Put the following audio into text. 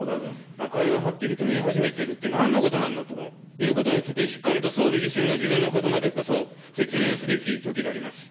あかりははっきりと見え始めているって、なんのことなんだということについて、しっかりと総理自身が自分のことばでこそ説明をすべきときであります。